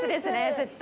絶対。